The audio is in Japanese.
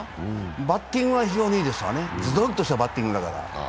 バッティングは非常にいいですわね、ズドンとしたバッティングだから。